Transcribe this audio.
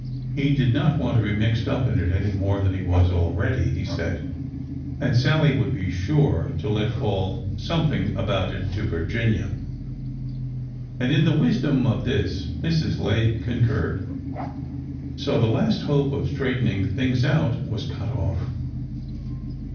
He did not want to be mixed up in it any more than he WITHOUT FEAR 389 was already, he said, and Sallie would be sure to let fall something about it to Virginia. And in the wisdom of this Mrs. Lay concurred,— so the last hope of straight ening things out was cut off.